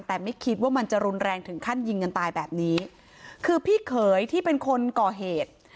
แต่ไม่คิดว่ามันจะรุนแรงถึงขั้นยิงกันตายแบบนี้คือพี่เขยที่เป็นคนก่อเหตุ